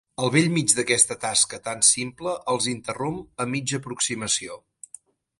Al bell mig d'aquesta tasca tan simple els interromp a mitja aproximació.